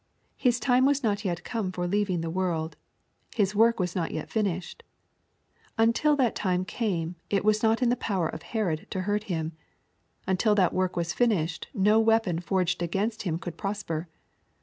His time was not yet come for leaving the world. His work was not yet finished. Uutil that time came it was not in the power of Herod to hurt Him. Until that work was finished no weapon forged against Him could prosper.